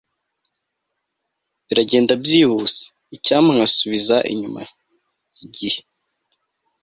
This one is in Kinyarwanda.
biragenda byihuse. icyampa nkasubiza inyuma igihe